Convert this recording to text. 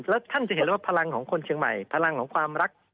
แล้วท่านจะเห็นเลยว่าพลังของคนเชียงใหม่พลังของความรัก